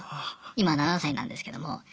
今７歳なんですけども。